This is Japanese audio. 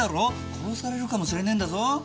殺されるかもしれねぇんだぞ。